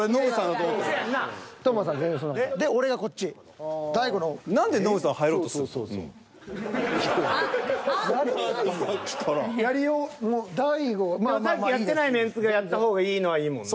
さっきやってないメンツがやった方がいいのはいいもんな。